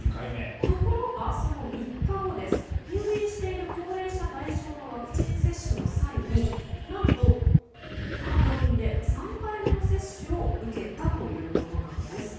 ところが、その３日後入院している高齢者対象のワクチン接種の際に何と、この病院で３回目の接種を受けたということなんです。